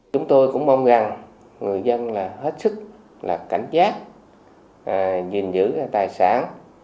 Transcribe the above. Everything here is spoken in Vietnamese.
chúng tôi cũng mong rằng người dân hết sức cảnh giác giữ tài sản